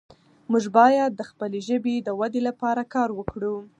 موږ باید د خپلې ژبې د ودې لپاره کار وکړو.